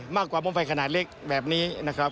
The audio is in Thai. มากกว่าม่อมไฟขนาดเล็กแบบนี้นะครับ